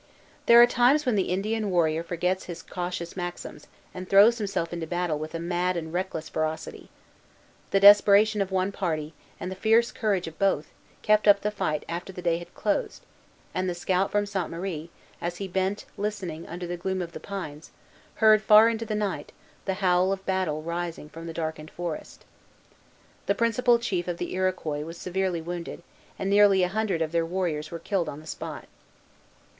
There are times when the Indian warrior forgets his cautious maxims, and throws himself into battle with a mad and reckless ferocity. The desperation of one party, and the fierce courage of both, kept up the fight after the day had closed; and the scout from Sainte Marie, as he bent listening under the gloom of the pines, heard, far into the night, the howl of battle rising from the darkened forest. The principal chief of the Iroquois was severely wounded, and nearly a hundred of their warriors were killed on the spot.